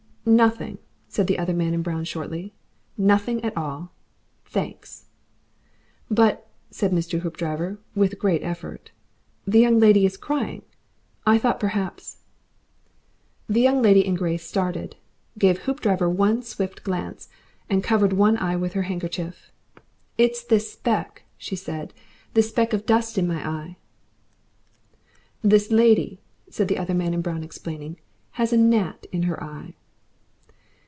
"Nothing," said the other man in brown shortly. "Nothing at all, thanks." "But," said Mr. Hoopdriver, with a great effort, "the young lady is crying. I thought perhaps " The Young Lady in Grey started, gave Hoopdriver one swift glance, and covered one eye with her handkerchief. "It's this speck," she said. "This speck of dust in my eye." "This lady," said the other man in brown, explaining, "has a gnat in her eye."